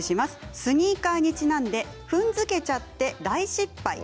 スニーカーにちなんで踏んづけちゃって大失敗！